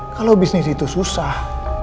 kalau bisnis itu susah